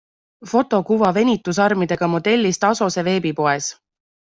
Fotokuva venitusarmidega modellist Asose veebipoes.